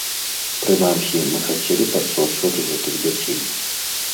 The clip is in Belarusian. Прынамсі, мы хацелі б адсочваць гэтых дзяцей.